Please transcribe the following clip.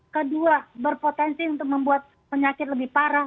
kedua berpotensi untuk membuat penyakit lebih parah